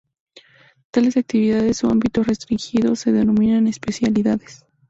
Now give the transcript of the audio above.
Tales actividades o ámbitos restringidos se denominan especialidades.